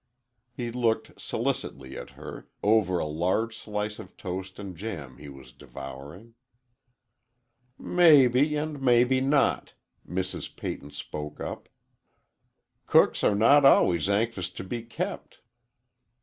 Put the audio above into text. He looked solicitously at her, over a large slice of toast and jam he was devouring. "Maybe and maybe not," Mrs. Peyton spoke up. "Cooks are not always anxious to be kept."